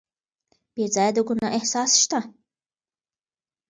بې ځایه د ګناه احساس شته.